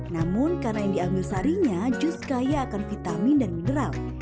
namun karena yang diambil sarinya jus kaya akan vitamin dan mineral